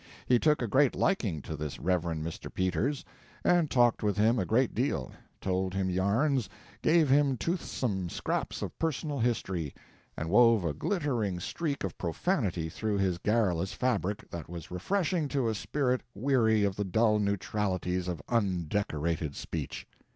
He took a great liking to this Reverend Mr. Peters, and talked with him a great deal; told him yarns, gave him toothsome scraps of personal history, and wove a glittering streak of profanity through his garrulous fabric that was refreshing to a spirit weary of the dull neutralities of undecorated speech.